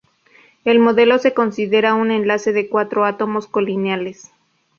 El modelo se considera un enlace de cuatro átomos colineales.